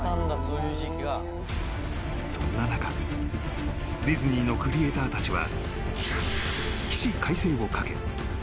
［そんな中ディズニーのクリエーターたちは］